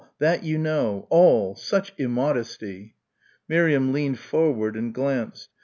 That you know. All! Such immodesty!" Miriam leaned forward and glanced.